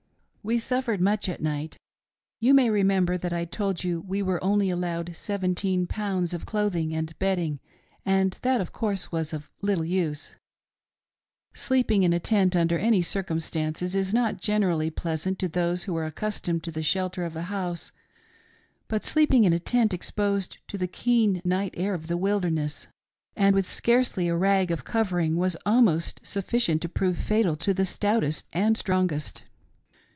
" We suffered much at night. ■ You may remember that I told you we were only allowed seventeen pounds of clothing and bedding, and that; of course, was of little use. Sleeping 222 THE GRAVES BY THE WAY SIDE. in a tent, under any circumstances, is not generally pleasant to those who are accustomed to the shelter of a house, but sleeping in a, tent, exposed to the keen night air of the wilder ness, and with scarcely a rag of covering, was almost suffi cient to prove fatal to the stoutest and strongest.